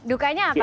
dukanya apa dukanya